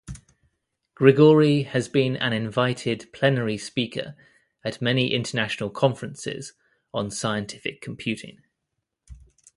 Grigori has been an invited plenary speaker at many international conferences on scientific computing.